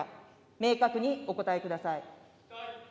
明確にお答えください。